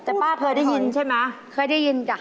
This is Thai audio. แต่ป้าเคยได้ยินใช่ไหมเคยได้ยินจ้ะ